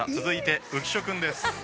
続いて浮所君です。